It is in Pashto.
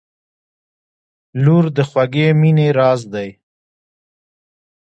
• لور د خوږې مینې راز دی.